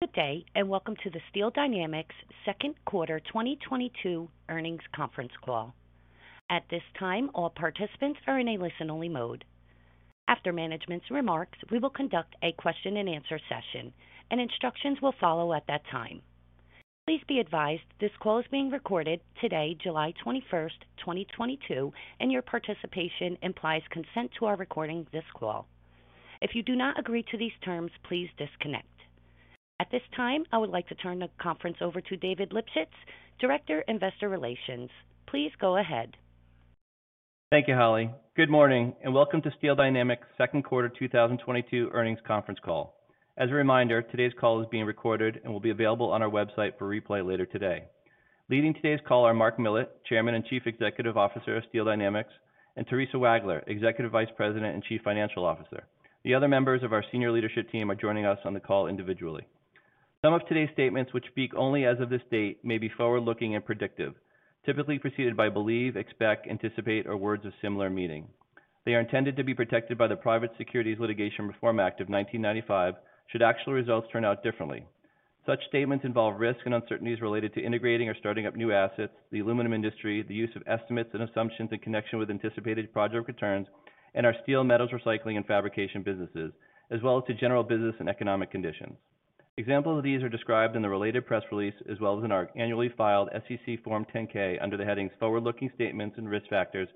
Good day, and welcome to the Steel Dynamics Second Quarter 2022 Earnings Conference Call. At this time, all participants are in a listen-only mode. After management's remarks, we will conduct a question-and-answer session, and instructions will follow at that time. Please be advised this call is being recorded today, July 21st, 2022, and your participation implies consent to our recording this call. If you do not agree to these terms, please disconnect. At this time, I would like to turn the conference over to David Lipschitz, Director, Investor Relations. Please go ahead. Thank you, Holly. Good morning, and welcome to Steel Dynamics Second Quarter 2022 Earnings Conference Call. As a reminder, today's call is being recorded and will be available on our website for replay later today. Leading today's call are Mark Millett, Chairman and Chief Executive Officer of Steel Dynamics, and Theresa Wagler, Executive Vice President and Chief Financial Officer. The other members of our senior leadership team are joining us on the call individually. Some of today's statements, which speak only as of this date, may be forward-looking and predictive, typically preceded by "believe," "expect," "anticipate," or words of similar meaning. They are intended to be protected by the Private Securities Litigation Reform Act of 1995 should actual results turn out differently. Such statements involve risks and uncertainties related to integrating or starting up new assets, the aluminum industry, the use of estimates and assumptions in connection with anticipated project returns, and our steel metals recycling and fabrication businesses, as well as to general business and economic conditions. Examples of these are described in the related press release, as well as in our annually filed SEC Form 10-K under the headings Forward-Looking Statements and Risk Factors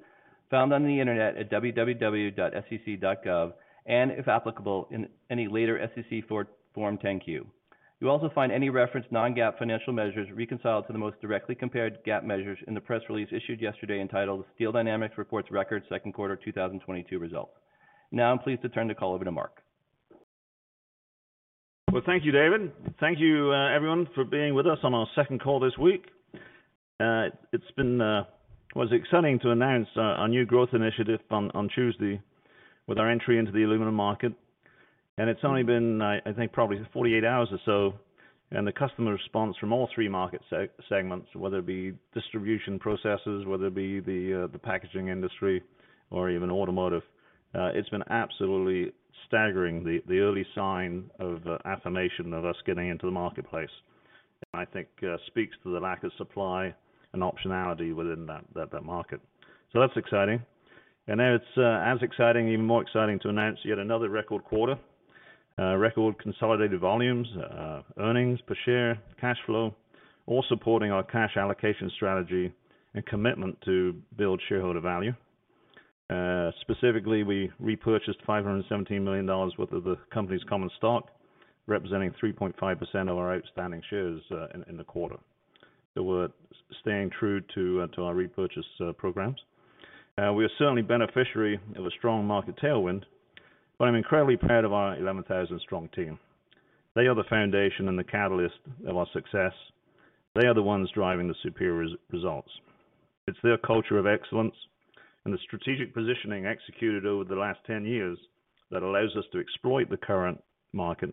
found on the Internet at www.sec.gov and, if applicable, in any later SEC Form 10-Q. You'll also find any referenced non-GAAP financial measures reconciled to the most directly compared GAAP measures in the press release issued yesterday entitled Steel Dynamics Reports Record Second Quarter 2022 Results. Now I'm pleased to turn the call over to Mark. Well, thank you, David. Thank you, everyone, for being with us on our second call this week. It was exciting to announce our new growth initiative on Tuesday with our entry into the aluminum market. It's only been, I think probably 48 hours or so, and the customer response from all three market segments, whether it be distributors, processors, whether it be the packaging industry or even automotive, it's been absolutely staggering. The early sign of affirmation of us getting into the marketplace, and I think speaks to the lack of supply and optionality within that market. That's exciting. Then it's as exciting, even more exciting to announce yet another record quarter. Record consolidated volumes, earnings per share, cash flow, all supporting our cash allocation strategy and commitment to build shareholder value. Specifically, we repurchased $517 million worth of the company's common stock, representing 3.5% of our outstanding shares in the quarter. We're staying true to our repurchase programs. We are certainly beneficiary of a strong market tailwind, but I'm incredibly proud of our 11,000 strong team. They are the foundation and the catalyst of our success. They are the ones driving the superior results. It's their culture of excellence and the strategic positioning executed over the last 10 years that allows us to exploit the current market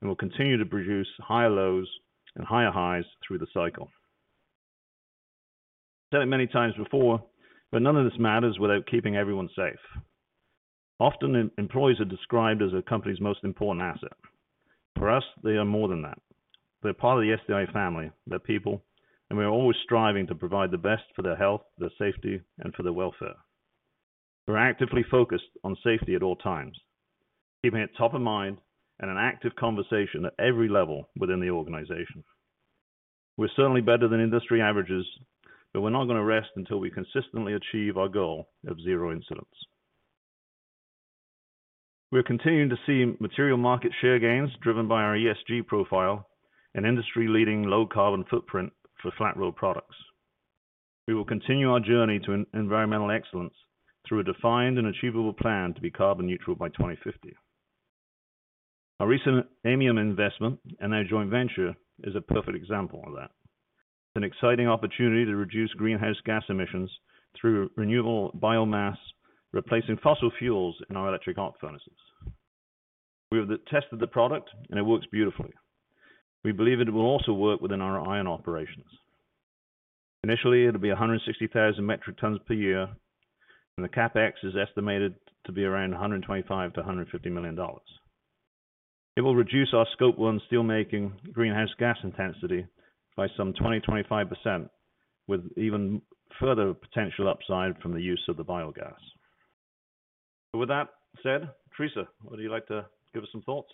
and will continue to produce higher lows and higher highs through the cycle. I've said it many times before, but none of this matters without keeping everyone safe. Often employees are described as a company's most important asset. For us, they are more than that. They're part of the SDI family, they're people, and we are always striving to provide the best for their health, their safety, and for their welfare. We're actively focused on safety at all times, keeping it top of mind and an active conversation at every level within the organization. We're certainly better than industry averages, but we're not gonna rest until we consistently achieve our goal of zero incidents. We're continuing to see material market share gains driven by our ESG profile and industry-leading low carbon footprint for flat-rolled products. We will continue our journey to environmental excellence through a defined and achievable plan to be carbon neutral by 2050. Our recent Aymium investment and our joint venture is a perfect example of that. It's an exciting opportunity to reduce greenhouse gas emissions through renewable biomass, replacing fossil fuels in our electric arc furnaces. We have tested the product, and it works beautifully. We believe it will also work within our iron operations. Initially, it'll be 160,000 metric tons per year, and the CapEx is estimated to be around $125 million-$150 million. It will reduce our Scope 1 steel making greenhouse gas intensity by some 20%-25%, with even further potential upside from the use of the biogas. With that said, Theresa, would you like to give us some thoughts?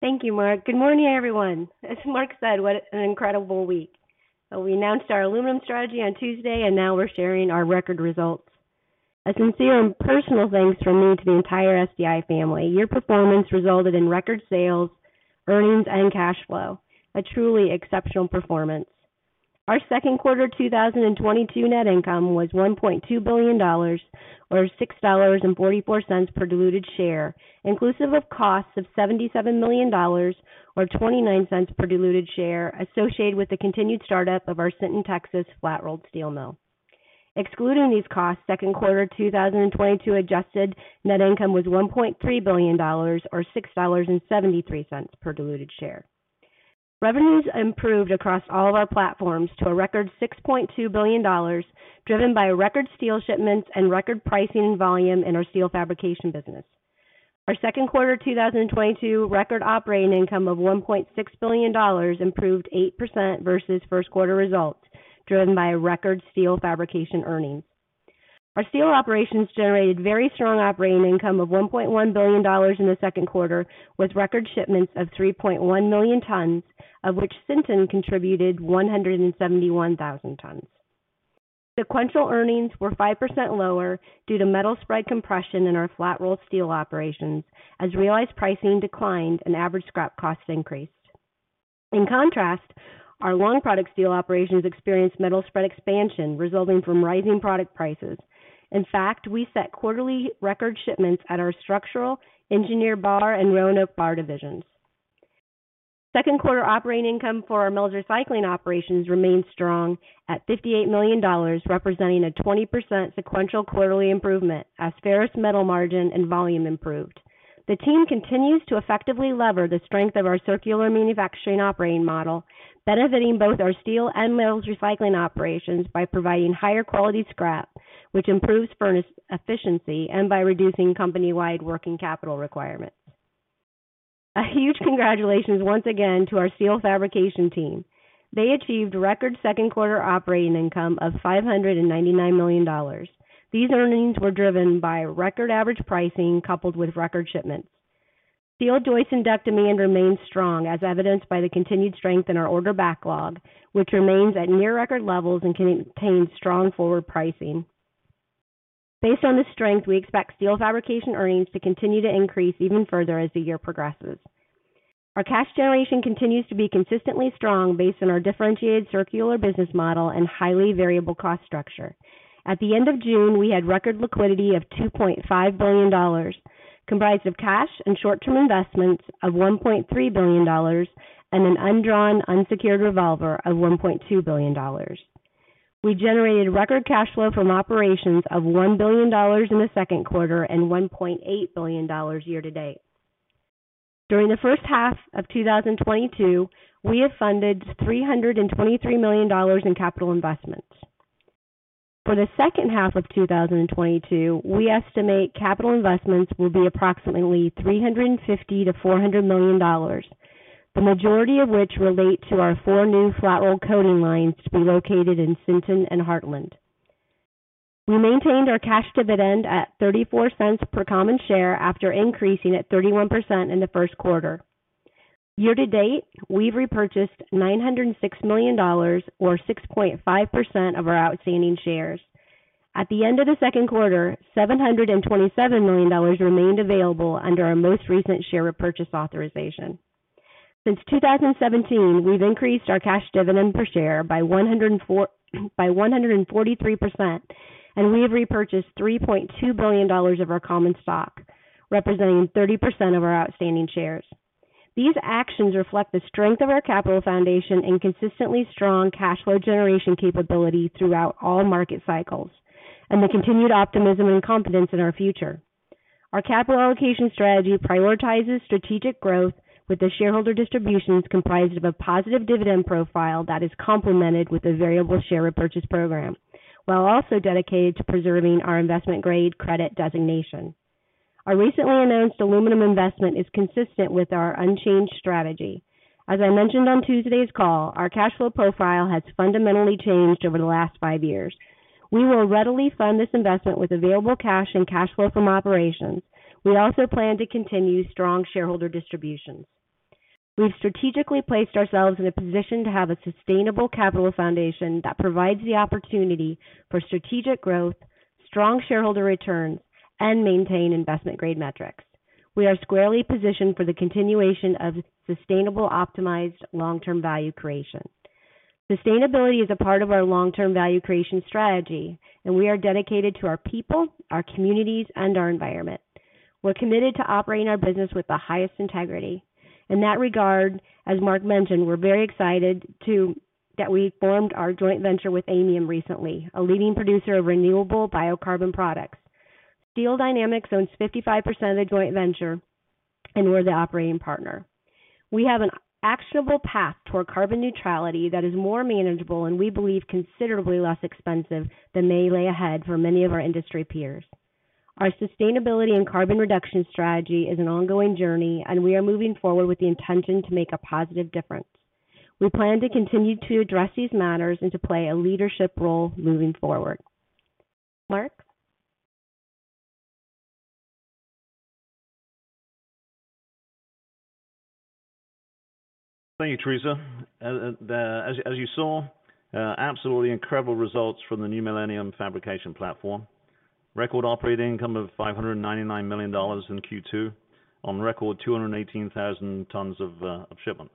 Thank you, Mark. Good morning, everyone. As Mark said, what an incredible week. We announced our aluminum strategy on Tuesday, and now we're sharing our record results. A sincere and personal thanks from me to the entire SDI family. Your performance resulted in record sales, earnings, and cash flow. A truly exceptional performance. Our second quarter 2022 net income was $1.2 billion or $6.44 per diluted share, inclusive of costs of $77 million or $0.29 per diluted share associated with the continued start-up of our Sinton, Texas, flat-rolled steel mill. Excluding these costs, second quarter 2022 adjusted net income was $1.3 billion or $6.73 per diluted share. Revenues improved across all of our platforms to a record $6.2 billion, driven by record steel shipments and record pricing and volume in our steel fabrication business. Our second quarter 2022 record operating income of $1.6 billion improved 8% versus first quarter results, driven by record steel fabrication earnings. Our steel operations generated very strong operating income of $1.1 billion in the second quarter, with record shipments of 3.1 million tons, of which Sinton contributed 171,000 tons. Sequential earnings were 5% lower due to metal spread compression in our flat rolled steel operations as realized pricing declined and average scrap costs increased. In contrast, our long product steel operations experienced metal spread expansion resulting from rising product prices. In fact, we set quarterly record shipments at our structural, engineered bar, and Roanoke bar divisions. Second quarter operating income for our metals recycling operations remained strong at $58 million, representing a 20% sequential quarterly improvement as ferrous metal margin and volume improved. The team continues to effectively lever the strength of our circular manufacturing operating model, benefiting both our steel and metals recycling operations by providing higher quality scrap, which improves furnace efficiency and by reducing company-wide working capital requirements. A huge congratulations once again to our steel fabrication team. They achieved record second quarter operating income of $599 million. These earnings were driven by record average pricing coupled with record shipments. Steel joists and deck demand remains strong as evidenced by the continued strength in our order backlog, which remains at near record levels and contains strong forward pricing. Based on this strength, we expect steel fabrication earnings to continue to increase even further as the year progresses. Our cash generation continues to be consistently strong based on our differentiated circular business model and highly variable cost structure. At the end of June, we had record liquidity of $2.5 billion, comprised of cash and short-term investments of $1.3 billion and an undrawn unsecured revolver of $1.2 billion. We generated record cash flow from operations of $1 billion in the second quarter and $1.8 billion year-to-date. During the first half of 2022, we have funded $323 million in capital investments. For the second half of 2022, we estimate capital investments will be approximately $350 million-$400 million, the majority of which relate to our four new flat roll coating lines to be located in Sinton and Heartland. We maintained our cash dividend at $0.34 per common share after increasing it 31% in the first quarter. Year-to-date, we've repurchased $906 million or 6.5% of our outstanding shares. At the end of the second quarter, $727 million remained available under our most recent share repurchase authorization. Since 2017, we've increased our cash dividend per share by 143%, and we have repurchased $3.2 billion of our common stock, representing 30% of our outstanding shares. These actions reflect the strength of our capital foundation and consistently strong cash flow generation capability throughout all market cycles and the continued optimism and confidence in our future. Our capital allocation strategy prioritizes strategic growth with the shareholder distributions comprised of a positive dividend profile that is complemented with a variable share repurchase program, while also dedicated to preserving our investment-grade credit designation. Our recently announced aluminum investment is consistent with our unchanged strategy. As I mentioned on today's call, our cash flow profile has fundamentally changed over the last five years. We will readily fund this investment with available cash and cash flow from operations. We also plan to continue strong shareholder distributions. We've strategically placed ourselves in a position to have a sustainable capital foundation that provides the opportunity for strategic growth, strong shareholder returns, and maintain investment-grade metrics. We are squarely positioned for the continuation of sustainable, optimized long-term value creation. Sustainability is a part of our long-term value creation strategy, and we are dedicated to our people, our communities, and our environment. We're committed to operating our business with the highest integrity. In that regard, as Mark mentioned, we're very excited that we formed our joint venture with Aymium recently, a leading producer of renewable biocarbon products. Steel Dynamics owns 55% of the joint venture, and we're the operating partner. We have an actionable path toward carbon neutrality that is more manageable and we believe considerably less expensive than may lay ahead for many of our industry peers. Our sustainability and carbon reduction strategy is an ongoing journey, and we are moving forward with the intention to make a positive difference. We plan to continue to address these matters and to play a leadership role moving forward. Mark? Thank you, Theresa. As you saw, absolutely incredible results from the New Millennium fabrication platform. Record operating income of $599 million in Q2 on record 218,000 tons of shipments.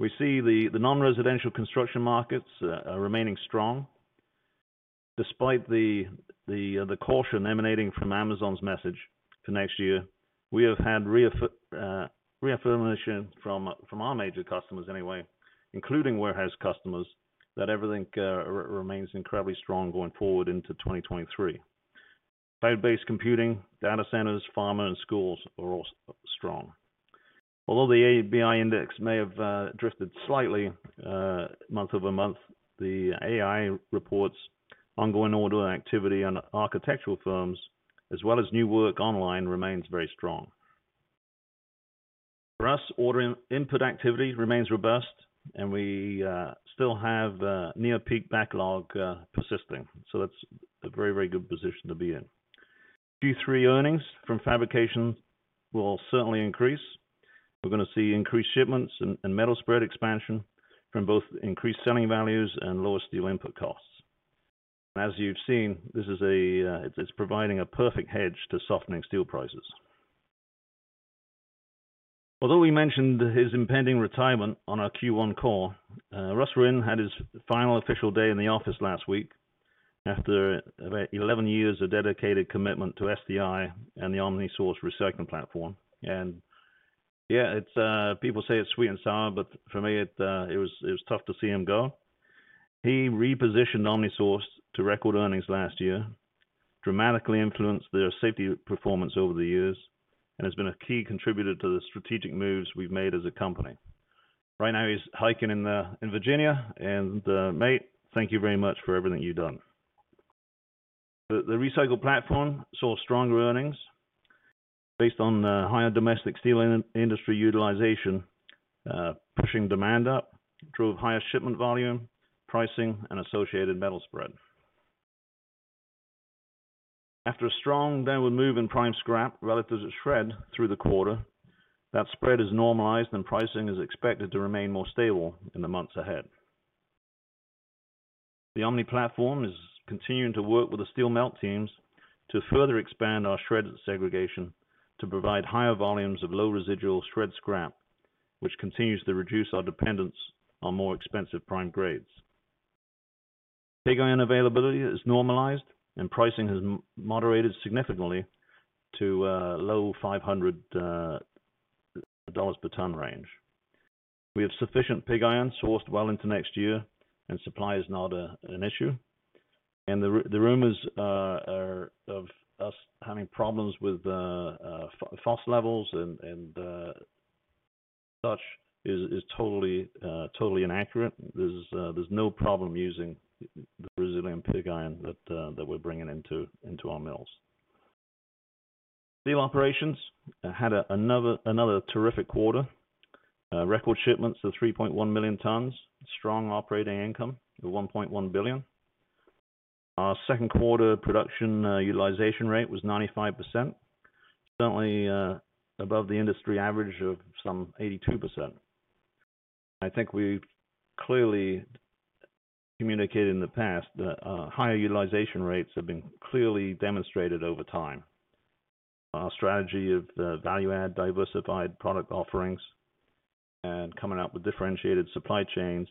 We see the non-residential construction markets remaining strong. Despite the caution emanating from Amazon's message for next year, we have had reaffirmation from our major customers anyway, including warehouse customers, that everything remains incredibly strong going forward into 2023. Cloud-based computing, data centers, pharma, and schools are all strong. Although the ABI index may have drifted slightly month-over-month, the AIA report's ongoing order activity on architectural firms as well as new work online remains very strong. For us, order input activity remains robust, and we still have near peak backlog persisting. That's a very, very good position to be in. Q3 earnings from fabrication will certainly increase. We're gonna see increased shipments and metal spread expansion from both increased selling values and lower steel input costs. As you've seen, it's providing a perfect hedge to softening steel prices. Although we mentioned his impending retirement on our Q1 call, Russ Wrenn had his final official day in the office last week after 11 years of dedicated commitment to SDI and the OmniSource Recycling platform. Yeah, it's people say it's sweet and sour, but for me it was tough to see him go. He repositioned OmniSource to record earnings last year, dramatically influenced their safety performance over the years, and has been a key contributor to the strategic moves we've made as a company. Right now, he's hiking in Virginia and mate, thank you very much for everything you've done. The recycle platform saw stronger earnings based on higher domestic steel industry utilization pushing demand up, drove higher shipment volume, pricing, and associated metal spread. After a strong downward move in prime scrap relative to shred through the quarter, that spread has normalized and pricing is expected to remain more stable in the months ahead. The Omni platform is continuing to work with the steel melt teams to further expand our shred segregation to provide higher volumes of low residual shred scrap, which continues to reduce our dependence on more expensive prime grades. Pig iron availability is normalized and pricing has moderated significantly to low $500 per ton range. We have sufficient pig iron sourced well into next year and supply is not an issue. The rumors are of us having problems with phos levels and such is totally inaccurate. There's no problem using the Brazilian pig iron that we're bringing into our mills. Steel operations had another terrific quarter. Record shipments of 3.1 million tons. Strong operating income of $1.1 billion. Our second quarter production utilization rate was 95%, certainly above the industry average of some 82%. I think we've clearly communicated in the past that higher utilization rates have been clearly demonstrated over time. Our strategy of value-added diversified product offerings and coming up with differentiated supply chains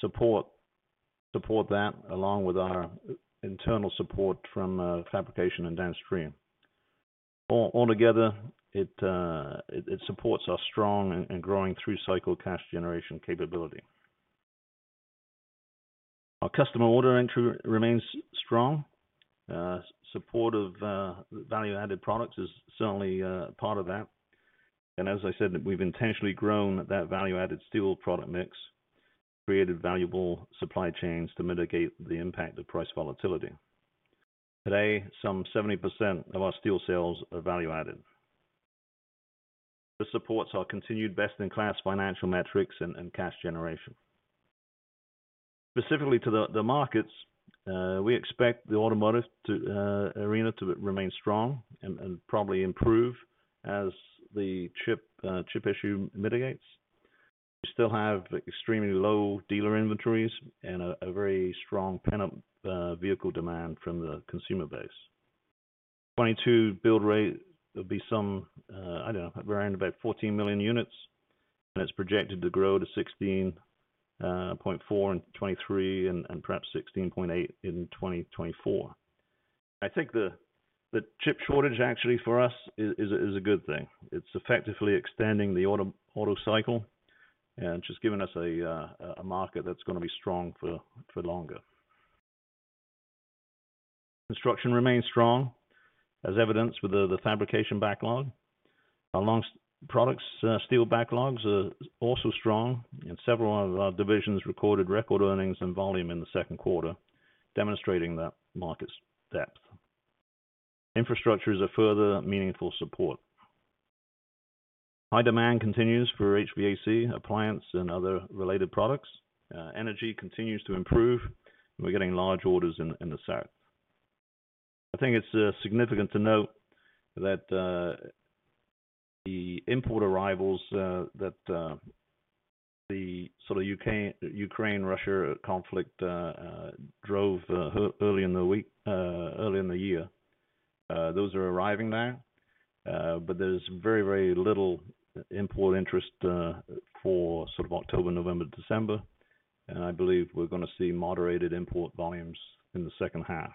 supports that along with our internal support from fabrication and downstream. Altogether, it supports our strong and growing through-cycle cash generation capability. Our customer order entry remains strong. Support of value-added products is certainly part of that. As I said, we've intentionally grown that value-added steel product mix, created valuable supply chains to mitigate the impact of price volatility. Today, some 70% of our steel sales are value-added. This supports our continued best-in-class financial metrics and cash generation. Specifically to the markets, we expect the automotive arena to remain strong and probably improve as the chip issue mitigates. We still have extremely low dealer inventories and a very strong pent-up vehicle demand from the consumer base. 2022 build rate will be around 14 million units, and it's projected to grow to 16.4 million in 2023 and perhaps 16.8 million in 2024. I think the chip shortage actually for us is a good thing. It's effectively extending the auto cycle and just giving us a market that's gonna be strong for longer. Construction remains strong as evidenced with the fabrication backlog. Our long products steel backlogs are also strong, and several of our divisions recorded record earnings and volume in the second quarter, demonstrating that market's depth. Infrastructure is a further meaningful support. High demand continues for HVAC, appliance, and other related products. Energy continues to improve, and we're getting large orders in the south. I think it's significant to note that the import arrivals that the sort of Ukraine-Russia conflict drove early in the year. Those are arriving now, but there's very little import interest for sort of October, November, December. I believe we're gonna see moderated import volumes in the second half.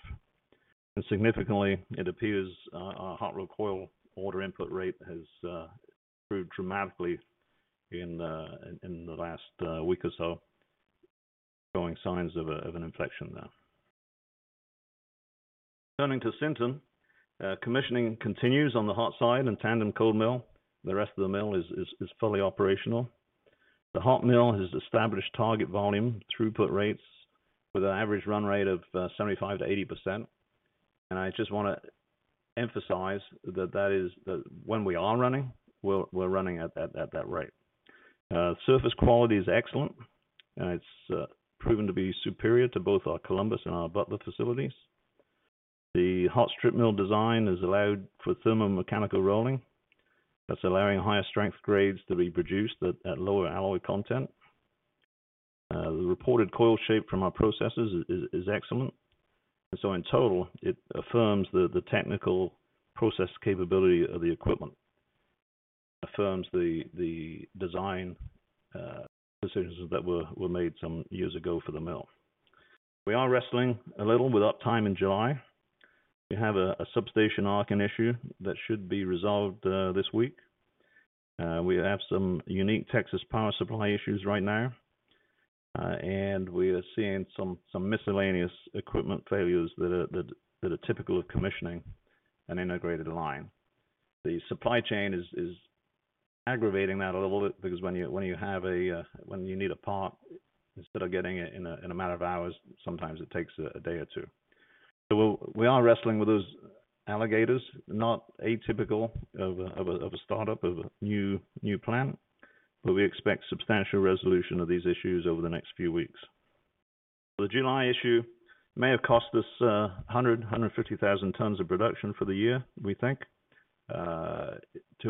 Significantly, it appears our hot rolled coil order input rate has improved dramatically in the last week or so. Showing signs of an inflection there. Turning to Sinton, commissioning continues on the hot side and tandem cold mill. The rest of the mill is fully operational. The hot mill has established target volume throughput rates with an average run rate of 75%-80%. I just wanna emphasize that when we are running, we're running at that rate. Surface quality is excellent, and it's proven to be superior to both our Columbus and our Butler facilities. The hot strip mill design has allowed for thermomechanical rolling. That's allowing higher strength grades to be produced at lower alloy content. The reported coil shape from our processes is excellent. In total, it affirms the technical process capability of the equipment. Affirms the design decisions that were made some years ago for the mill. We are wrestling a little with uptime in July. We have a substation arcing issue that should be resolved this week. We have some unique Texas power supply issues right now, and we are seeing some miscellaneous equipment failures that are typical of commissioning an integrated line. The supply chain is aggravating that a little bit because when you need a part, instead of getting it in a matter of hours, sometimes it takes a day or two. We are wrestling with those alligators, not atypical of a start-up of a new plant, but we expect substantial resolution of these issues over the next few weeks. The July issue may have cost us 150,000 tons of production for the year, we think. Too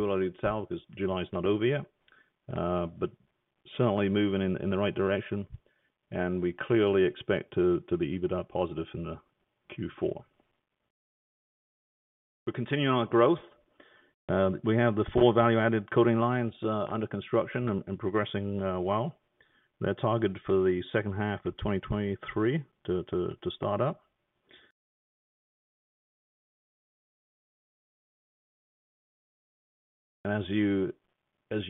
early to tell 'cause July is not over yet, but certainly moving in the right direction, and we clearly expect to be EBITDA positive in the Q4. We're continuing our growth. We have the four value-added coating lines under construction and progressing well. They're targeted for the second half of 2023 to start up. As you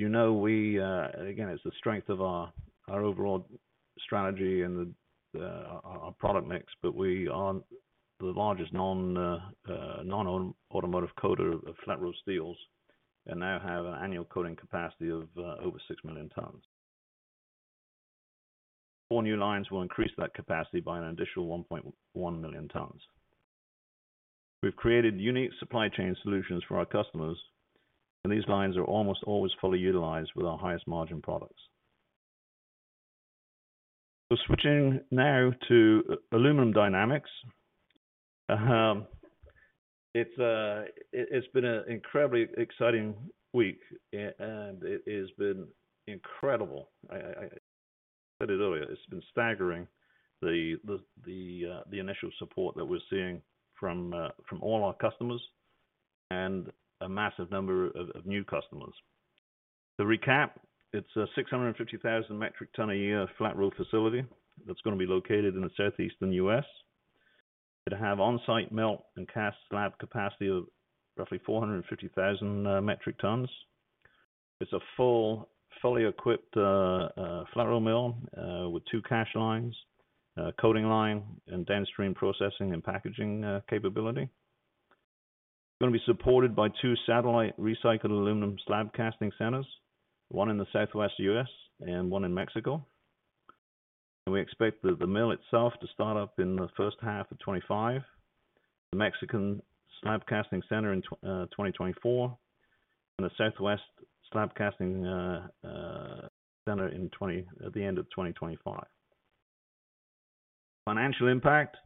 know, we again, it's the strength of our overall strategy and our product mix, but we are the largest non-automotive coater of flat-rolled steels and now have an annual coating capacity of over 6 million tons. Four new lines will increase that capacity by an additional 1.1 million tons. We've created unique supply chain solutions for our customers, and these lines are almost always fully utilized with our highest margin products. Switching now to Aluminum Dynamics. It's been an incredibly exciting week and it has been incredible. I said it earlier, it's been staggering, the initial support that we're seeing from all our customers and a massive number of new customers. To recap, it's a 650 metric ton a year flat-roll facility that's gonna be located in the southeastern U.S. It'll have on-site melt and cast slab capacity of roughly 450,000 metric tons. It's a fully equipped flat-roll mill with two cast lines, a coating line and downstream processing and packaging capability. It's gonna be supported by two satellite recycled aluminum slab casting centers, one in the southwest U.S. and one in Mexico. We expect the mill itself to start up in the first half of 2025, the Mexican slab casting center in 2024, and the Southwest slab casting center in the end of 2025. Financial impact,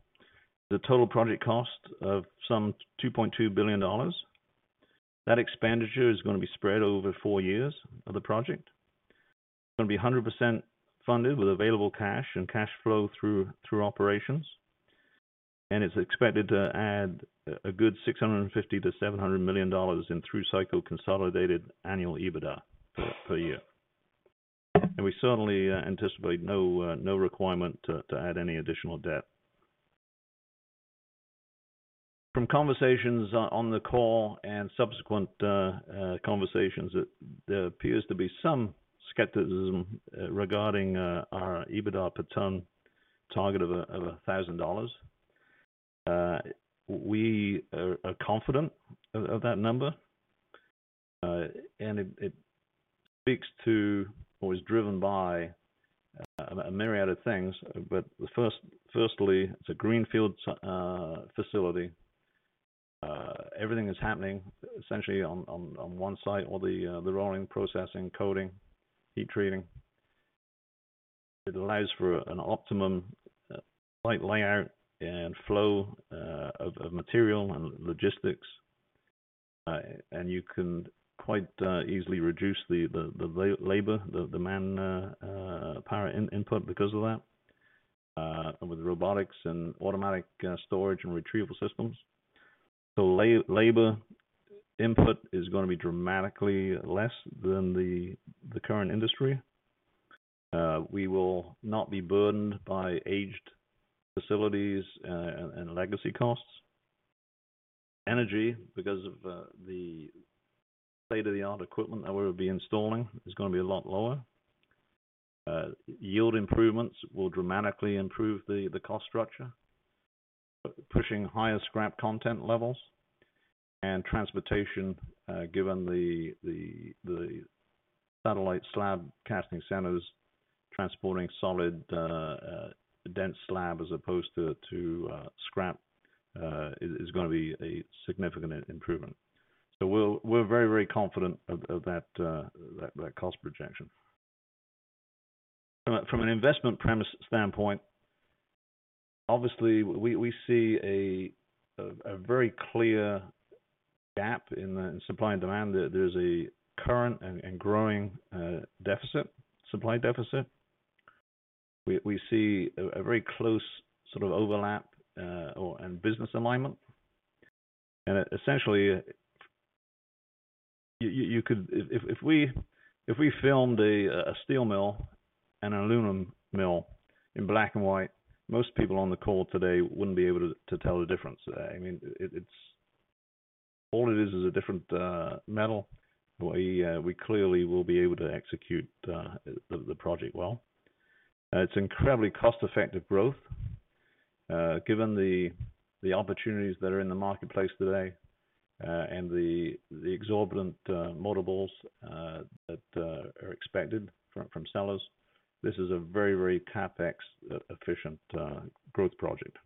the total project cost of some $2.2 billion. That expenditure is gonna be spread over four years of the project. It's gonna be 100% funded with available cash and cash flow through operations. It's expected to add a good $650 million-$700 million in through-cycle consolidated annual EBITDA per year. We certainly anticipate no requirement to add any additional debt. From conversations on the call and subsequent conversations, there appears to be some skepticism regarding our EBITDA per ton target of $1,000. We are confident of that number. It speaks to or is driven by a myriad of things. Firstly, it's a greenfield facility. Everything is happening essentially on one site, all the rolling, processing, coating, heat treating. It allows for an optimum site layout and flow of material and logistics. You can quite easily reduce the labor, the manpower input because of that with robotics and automatic storage and retrieval systems. Labor input is gonna be dramatically less than the current industry. We will not be burdened by aged facilities and legacy costs. Energy, because of the state-of-the-art equipment that we'll be installing is gonna be a lot lower. Yield improvements will dramatically improve the cost structure. Pushing higher scrap content levels and transportation, given the satellite slab casting centers transporting solid dense slab as opposed to scrap, is gonna be a significant improvement. We're very confident of that cost projection. From an investment premise standpoint, obviously we see a very clear gap in the supply and demand. There's a current and growing deficit, supply deficit. We see a very close sort of overlap or and business alignment. Essentially, you could... If we filmed a steel mill and an aluminum mill in black and white, most people on the call today wouldn't be able to tell the difference. I mean, it's all it is is a different metal. We clearly will be able to execute the project well. It's incredibly cost-effective growth given the opportunities that are in the marketplace today and the exorbitant multiples that are expected from sellers. This is a very CapEx efficient growth project.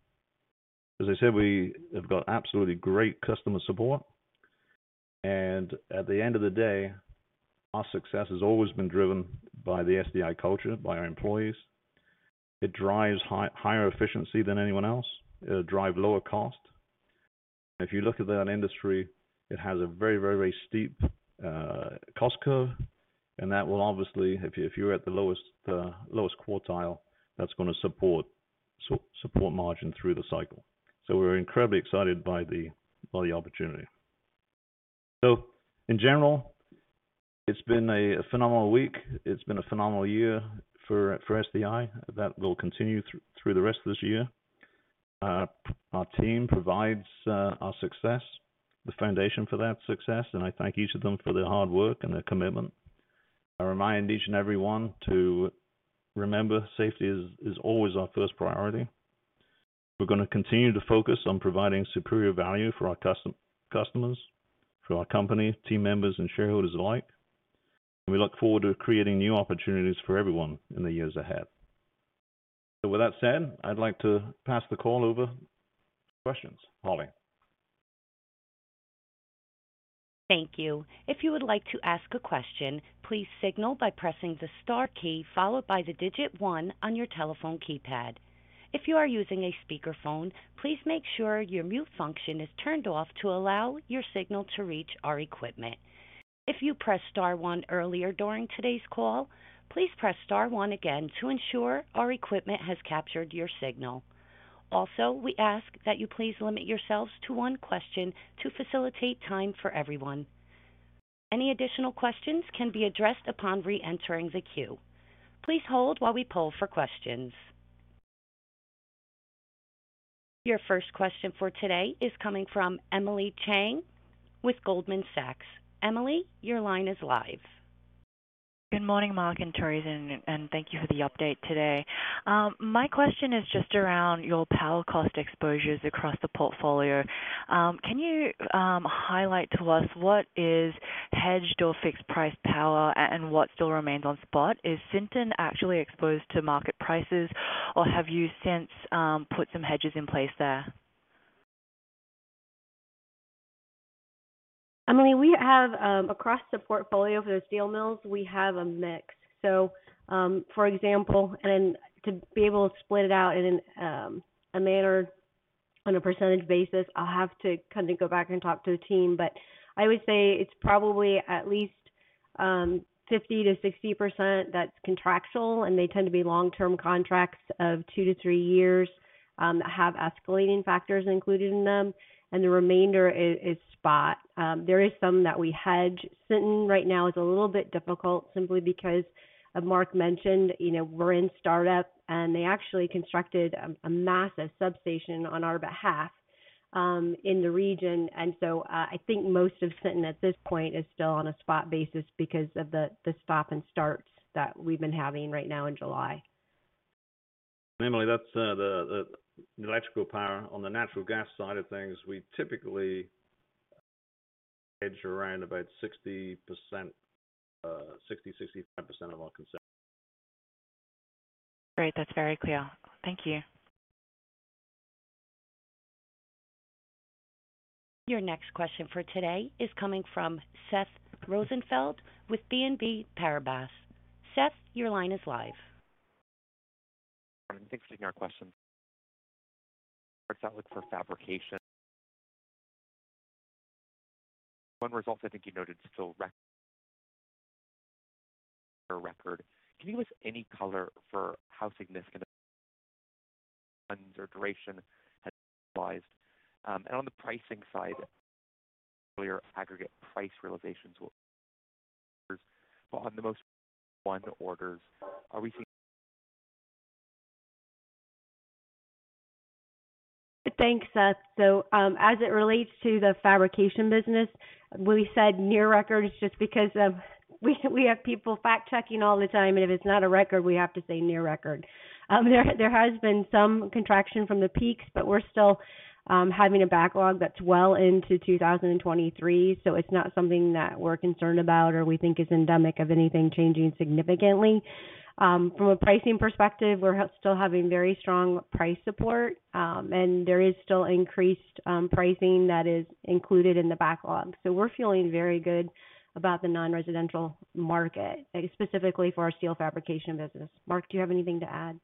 As I said, we have got absolutely great customer support. At the end of the day, our success has always been driven by the SDI culture, by our employees. It drives higher efficiency than anyone else. It'll drive lower cost. If you look at that industry, it has a very steep cost curve, and that will obviously, if you're at the lowest quartile, that's gonna support margin through the cycle. We're incredibly excited by the opportunity. In general, it's been a phenomenal week. It's been a phenomenal year for SDI. That will continue through the rest of this year. Our team provides our success, the foundation for that success, and I thank each of them for their hard work and their commitment. I remind each and everyone to remember safety is always our first priority. We're gonna continue to focus on providing superior value for our customers, for our company, team members and shareholders alike. We look forward to creating new opportunities for everyone in the years ahead. With that said, I'd like to pass the call over for questions. Holly. Thank you. If you would like to ask a question, please signal by pressing the star key followed by the digit one on your telephone keypad. If you are using a speakerphone, please make sure your mute function is turned off to allow your signal to reach our equipment. If you pressed star one earlier during today's call, please press star one again to ensure our equipment has captured your signal. Also, we ask that you please limit yourselves to one question to facilitate time for everyone. Any additional questions can be addressed upon reentering the queue. Please hold while we poll for questions. Your first question for today is coming from Emily Chieng with Goldman Sachs. Emily, your line is live. Good morning, Mark and Theresa, and thank you for the update today. My question is just around your power cost exposures across the portfolio. Can you highlight to us what is hedged or fixed price power and what still remains on spot? Is Sinton actually exposed to market prices, or have you since put some hedges in place there? Emily, we have across the portfolio for the steel mills, we have a mix. For example, to be able to split it out in a manner on a percentage basis, I'll have to kind of go back and talk to the team. I would say it's probably at least 50%-60% that's contractual, and they tend to be long-term contracts of two to three years that have escalating factors included in them, and the remainder is spot. There is some that we hedge. Sinton right now is a little bit difficult simply because, as Mark mentioned, you know, we're in startup, and they actually constructed a massive substation on our behalf in the region. I think most of Sinton at this point is still on a spot basis because of the stop and starts that we've been having right now in July. Emily, that's the electrical power. On the natural gas side of things, we typically hedge around about 60%-65% of our con- Great. That's very clear. Thank you. Your next question for today is coming from Seth Rosenfield with BNP Paribas. Seth, your line is live. Thanks for taking our question. Starts out with for fabrication. One result I think you noted still a record. Can you give us any color for how significant duration has been revised? On the pricing side, earlier aggregate price realizations were but on the most recent orders, are we seeing? Thanks, Seth. As it relates to the fabrication business, we said near record just because we have people fact-checking all the time, and if it's not a record, we have to say near record. There has been some contraction from the peaks, but we're still having a backlog that's well into 2023. It's not something that we're concerned about or we think is endemic of anything changing significantly. From a pricing perspective, we're still having very strong price support, and there is still increased pricing that is included in the backlog. We're feeling very good about the non-residential market, specifically for our steel fabrication business. Mark, do you have anything to add?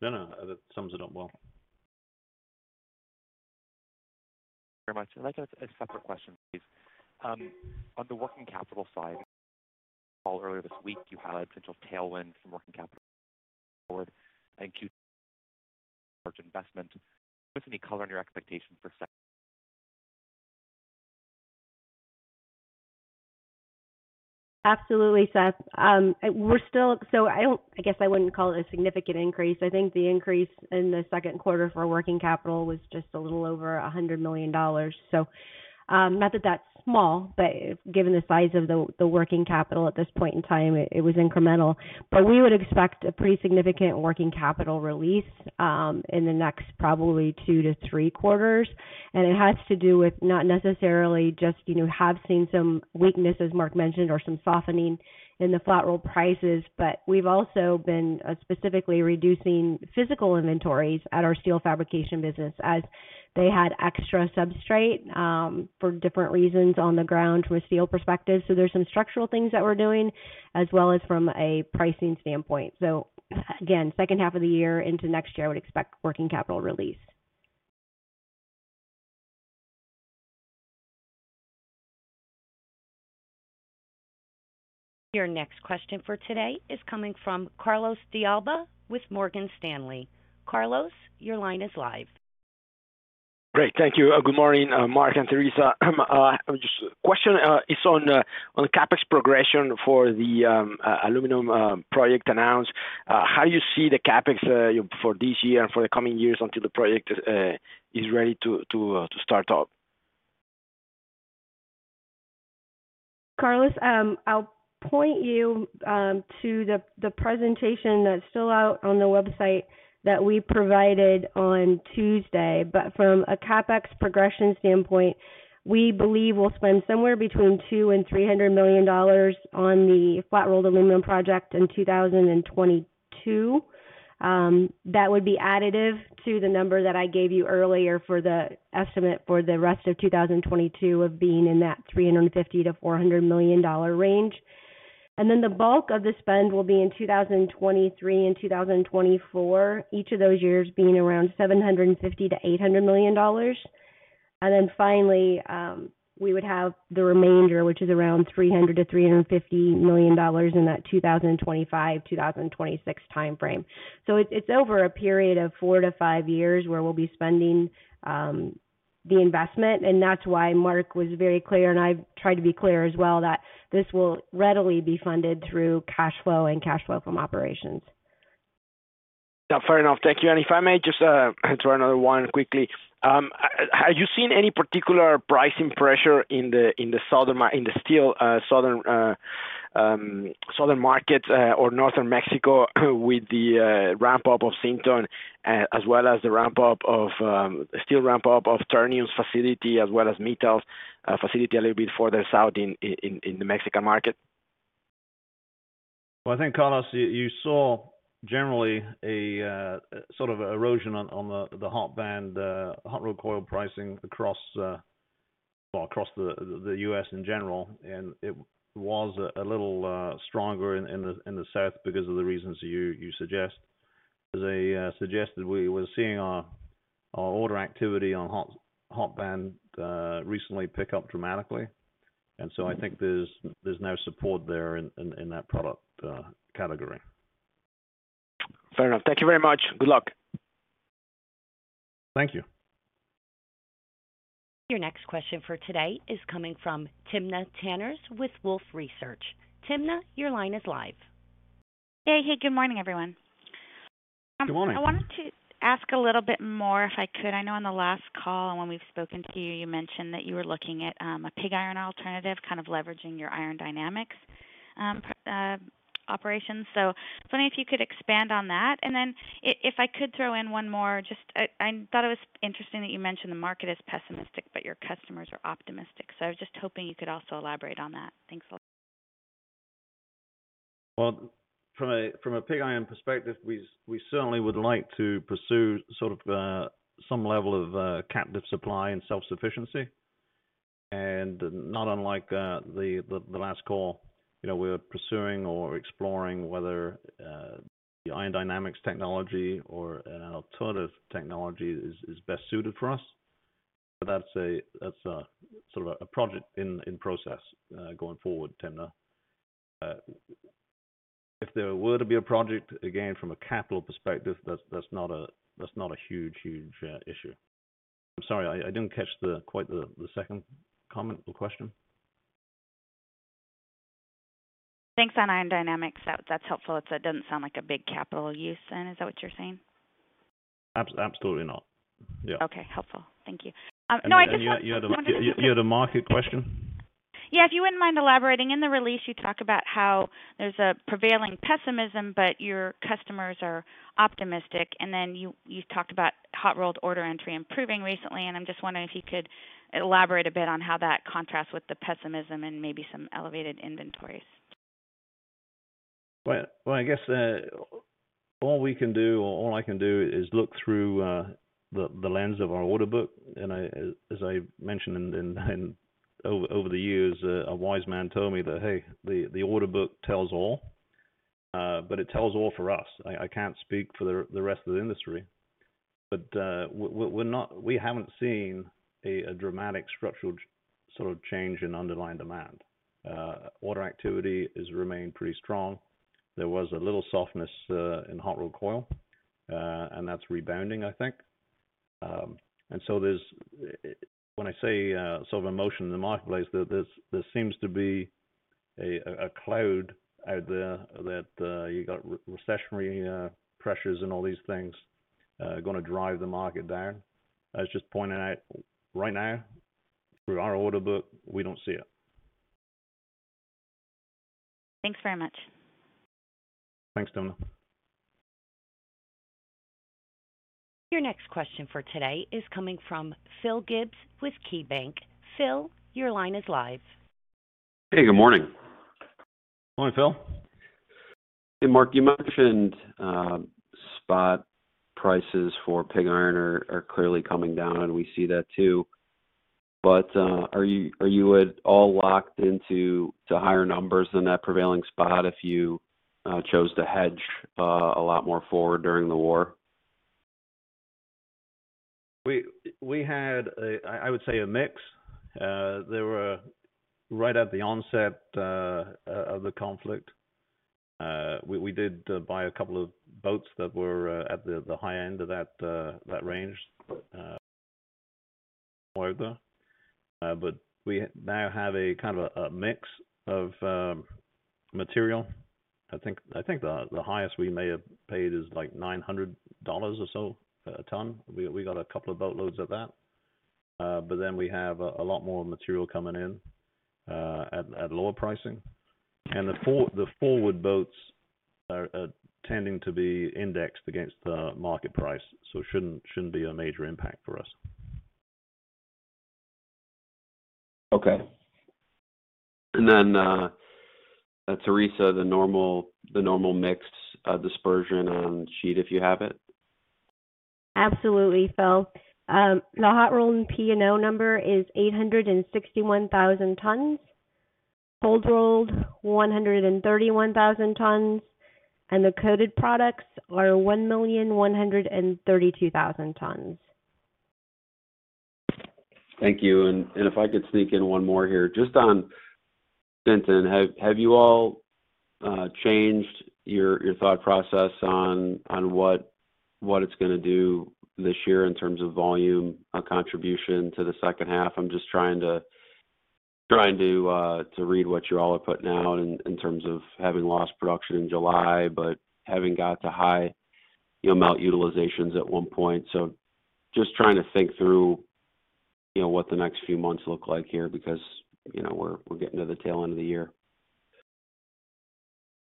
No, no. That sums it up well. Very much. I'd like a separate question, please. On the working capital side, all earlier this week, you had potential tailwind from working capital forward and [Sinton] investment. Do you have any color on your expectations for second- Absolutely, Seth. I don't, I guess, I wouldn't call it a significant increase. I think the increase in the second quarter for working capital was just a little over $100 million. Not that that's small, but given the size of the working capital at this point in time, it was incremental. We would expect a pretty significant working capital release in the next probably two to three quarters. It has to do with not necessarily just, you know, have seen some weakness, as Mark mentioned, or some softening in the flat roll prices, but we've also been specifically reducing physical inventories at our steel fabrication business as they had extra substrate for different reasons on the ground from a steel perspective. There's some structural things that we're doing as well as from a pricing standpoint. Again, second half of the year into next year, I would expect working capital release. Your next question for today is coming from Carlos De Alba with Morgan Stanley. Carlos, your line is live. Great. Thank you. Good morning, Mark and Theresa. Just question on the CapEx progression for the aluminum project announced. How you see the CapEx for this year and for the coming years until the project is ready to start up? Carlos, I'll point you to the presentation that's still out on the website that we provided on Tuesday. From a CapEx progression standpoint, we believe we'll spend somewhere between $200 million-$300 million on the flat rolled aluminum project in 2022. That would be additive to the number that I gave you earlier for the estimate for the rest of 2022 of being in that $350 million-$400 million range. The bulk of the spend will be in 2023 and 2024, each of those years being around $750 million-$800 million. We would have the remainder, which is around $300 million-$350 million in that 2025-2026 time frame. It's over a period of four to five years where we'll be spending the investment. That's why Mark was very clear, and I've tried to be clear as well, that this will readily be funded through cash flow and cash flow from operations. Yeah, fair enough. Thank you. If I may just throw another one quickly. Have you seen any particular pricing pressure in the southern steel market or northern Mexico with the ramp up of Sinton as well as the ramp up of Ternium's facility as well as ArcelorMittal's facility a little bit further south in the Mexican market? Well, I think, Carlos, you saw generally a sort of erosion on the hot band hot-rolled coil pricing across the U.S. in general. It was a little stronger in the south because of the reasons you suggest. As I suggested we were seeing our order activity on hot band recently pick up dramatically. I think there's no support there in that product category. Fair enough. Thank you very much. Good luck. Thank you. Your next question for today is coming from Timna Tanners with Wolfe Research. Timna, your line is live. Hey. Hey, good morning, everyone. Good morning. I wanted to ask a little bit more if I could. I know on the last call and when we've spoken to you mentioned that you were looking at a pig iron alternative, kind of leveraging your Iron Dynamics operations. Wondering if you could expand on that. If I could throw in one more, just I thought it was interesting that you mentioned the market is pessimistic, but your customers are optimistic. I was just hoping you could also elaborate on that. Thanks a lot. Well, from a pig iron perspective, we certainly would like to pursue sort of some level of captive supply and self-sufficiency. Not unlike the last call, you know, we're pursuing or exploring whether the Iron Dynamics technology or an alternative technology is best suited for us. That's a sort of a project in process going forward, Timna. If there were to be a project, again, from a capital perspective, that's not a huge issue. I'm sorry, I didn't catch quite the second comment or question. Thanks, on Iron Dynamics. That, that's helpful. It doesn't sound like a big CapEx then. Is that what you're saying? Absolutely not. Yeah. Okay, helpful. Thank you. No, I just want- You had a market question? Yeah, if you wouldn't mind elaborating. In the release, you talk about how there's a prevailing pessimism, but your customers are optimistic. Then you talked about hot-rolled order entry improving recently, and I'm just wondering if you could elaborate a bit on how that contrasts with the pessimism and maybe some elevated inventories? Well, I guess all we can do or all I can do is look through the lens of our order book. I, as I mentioned over the years, a wise man told me that, "Hey, the order book tells all." But it tells all for us. I can't speak for the rest of the industry, but we haven't seen a dramatic structural sort of change in underlying demand. Order activity has remained pretty strong. There was a little softness in hot rolled coil, and that's rebounding, I think. And so there's When I say sort of a motion in the marketplace, there seems to be a cloud out there that you got recessionary pressures and all these things gonna drive the market down. I was just pointing out right now, through our order book, we don't see it. Thanks very much. Thanks, Timna. Your next question for today is coming from Phil Gibbs with KeyBanc Capital Markets. Phil, your line is live. Hey, good morning. Morning, Phil. Hey, Mark, you mentioned spot prices for pig iron are clearly coming down, and we see that too. Are you at all locked into higher numbers than that prevailing spot if you chose to hedge a lot more forward during the war? We had a mix, I would say. There were right at the onset of the conflict, we did buy a couple of boats that were at the high end of that range. Okay. We now have a kind of mix of material. I think the highest we may have paid is like $900 or so a ton. We got a couple of boatloads of that. We have a lot more material coming in at lower pricing. The forward boats are tending to be indexed against the market price. It shouldn't be a major impact for us. Theresa, the normal mix dispersion on sheet, if you have it. Absolutely, Phil. The hot rolled P&O number is 861,000 tons. Cold rolled, 131,000 tons, and the coated products are 1,132,000 tons. Thank you. If I could sneak in one more here. Just on Sinton, have you all changed your thought process on what it's gonna do this year in terms of volume or contribution to the second half? I'm just trying to read what you all are putting out in terms of having lost production in July, but having got to high utilization at one point. Just trying to think through, you know, what the next few months look like here because, you know, we're getting to the tail end of the year.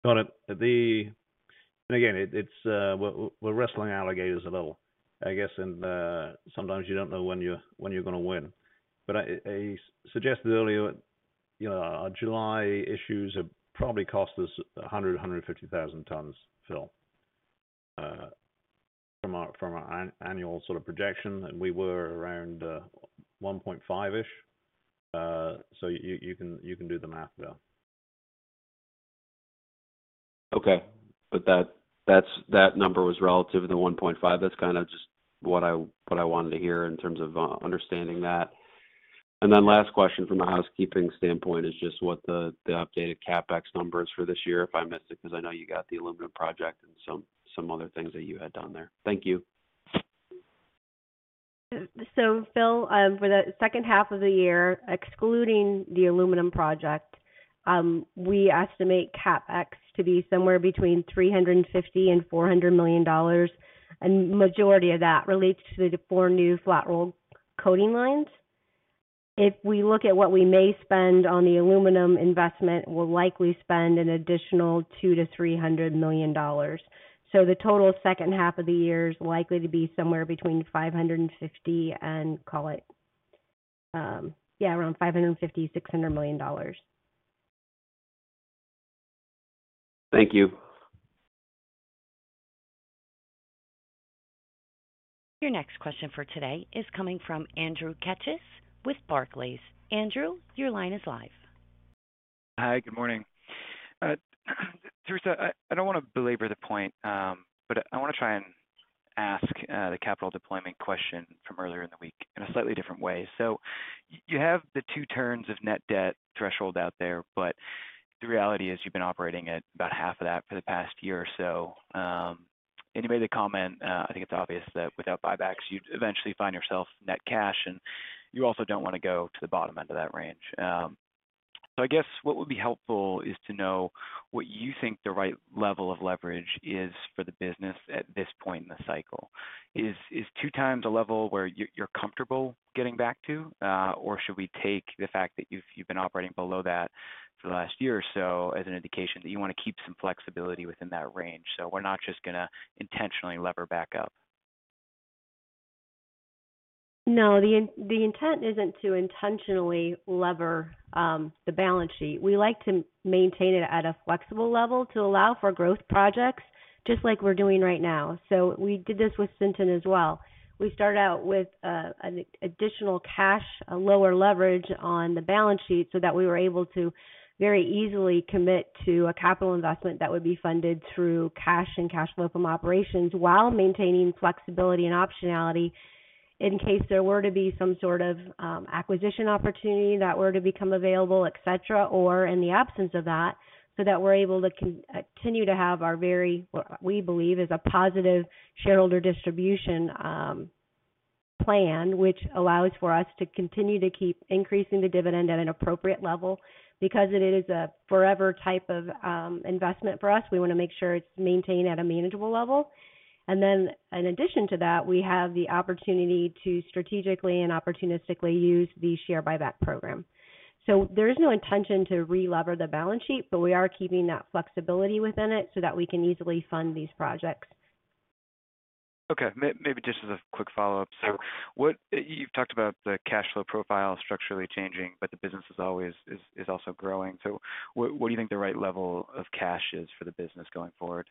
Got it. Again, it's we're wrestling alligators a little, I guess. Sometimes you don't know when you're gonna win. I suggested earlier, you know, our July issues have probably cost us 150,000 tons, Phil, from our annual sort of projection, and we were around 1.5 million-ish. So you can do the math, Phil. Okay. That number was relative to the 1.5 million. That's kinda just what I wanted to hear in terms of understanding that. Then last question from a housekeeping standpoint is just what the updated CapEx number is for this year, if I missed it, because I know you got the aluminum project and some other things that you had done there. Thank you. Phil, for the second half of the year, excluding the aluminum project, we estimate CapEx to be somewhere between $350 million and $400 million, and majority of that relates to the four new flat-rolled coating lines. If we look at what we may spend on the aluminum investment, we'll likely spend an additional $200 million-$300 million. The total second half of the year is likely to be somewhere between $560 million and call it around $550 million-$600 million. Thank you. Your next question for today is coming from Andrew Keches with Barclays. Andrew, your line is live. Hi, good morning. Theresa, I don't wanna belabor the point, but I wanna try and ask the capital deployment question from earlier in the week in a slightly different way. You have the two turns of net debt threshold out there, but the reality is you've been operating at about half of that for the past year or so. You made the comment, I think it's obvious that without buybacks, you'd eventually find yourself net cash, and you also don't wanna go to the bottom end of that range. I guess what would be helpful is to know what you think the right level of leverage is for the business at this point in the cycle. Is 2x a level where you're comfortable getting back to? Should we take the fact that you've been operating below that for the last year or so as an indication that you wanna keep some flexibility within that range, so we're not just gonna intentionally lever back up? No, the intent isn't to intentionally lever the balance sheet. We like to maintain it at a flexible level to allow for growth projects just like we're doing right now. We did this with Sinton as well. We started out with an additional cash, a lower leverage on the balance sheet so that we were able to very easily commit to a capital investment that would be funded through cash and cash flow from operations while maintaining flexibility and optionality in case there were to be some sort of acquisition opportunity that were to become available, et cetera. In the absence of that, we're able to continue to have our very what we believe is a positive shareholder distribution plan, which allows for us to continue to keep increasing the dividend at an appropriate level. Because it is a forever type of investment for us, we wanna make sure it's maintained at a manageable level. Then in addition to that, we have the opportunity to strategically and opportunistically use the share buyback program. There is no intention to re-lever the balance sheet, but we are keeping that flexibility within it so that we can easily fund these projects. Okay. Maybe just as a quick follow-up. Sure. You've talked about the cash flow profile structurally changing, but the business is always also growing. What do you think the right level of cash is for the business going forward?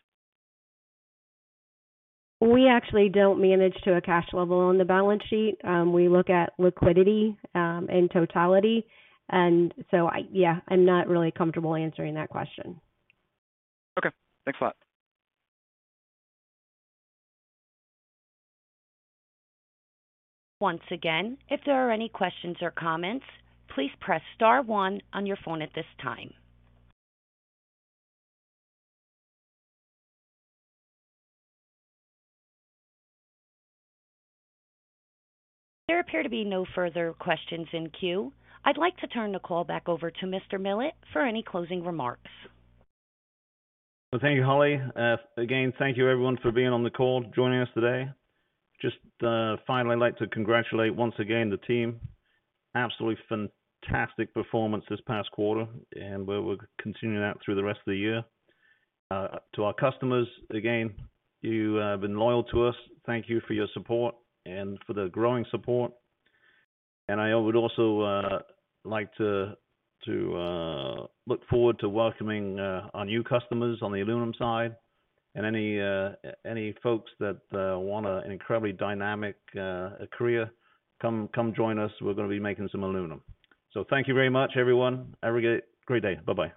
We actually don't manage to a cash level on the balance sheet. We look at liquidity in totality. Yeah, I'm not really comfortable answering that question. Okay, thanks a lot. Once again, if there are any questions or comments, please press star one on your phone at this time. There appear to be no further questions in queue. I'd like to turn the call back over to Mr. Millett for any closing remarks. Well, thank you, Holly. Again, thank you everyone for being on the call, joining us today. Just finally, I'd like to congratulate once again the team. Absolutely fantastic performance this past quarter, and we're continuing that through the rest of the year. To our customers, again, you have been loyal to us. Thank you for your support and for the growing support. I would also like to look forward to welcoming our new customers on the aluminum side and any folks that want an incredibly dynamic career, come join us. We're gonna be making some aluminum. Thank you very much, everyone. Have a great day. Bye-bye.